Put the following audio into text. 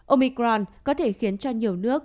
omicron có thể khiến cho nhiều nước